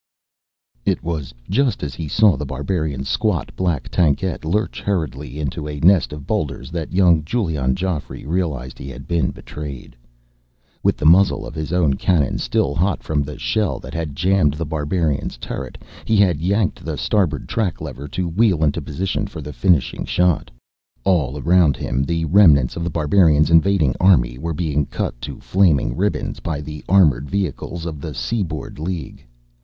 _ The Barbarians BY JOHN SENTRY It was just as he saw The Barbarian's squat black tankette lurch hurriedly into a nest of boulders that young Giulion Geoffrey realized he had been betrayed. With the muzzle of his own cannon still hot from the shell that had jammed The Barbarian's turret, he had yanked the starboard track lever to wheel into position for the finishing shot. All around him, the remnants of The Barbarian's invading army were being cut to flaming ribbons by the armored vehicles of the Seaboard League.